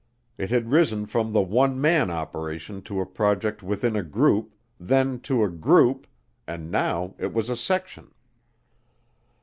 It had risen from the one man operation to a project within a group, then to a group, and now it was a section.